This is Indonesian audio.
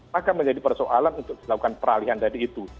maka menjadi persoalan untuk dilakukan peralihan tadi itu